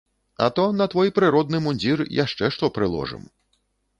А то на твой прыродны мундзір яшчэ што прыложым.